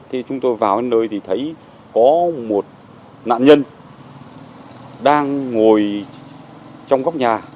thì chúng tôi vào nơi thì thấy có một nạn nhân đang ngồi trong góc nhà